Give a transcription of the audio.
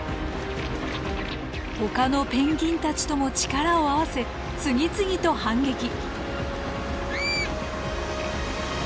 ほかのペンギンたちとも力を合わせ次々と反撃。